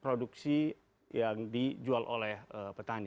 produksi yang dijual oleh petani